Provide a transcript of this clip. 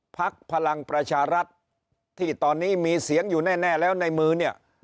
พลังประชารัฐที่ตอนนี้มีเสียงอยู่แน่แล้วในมือเนี่ย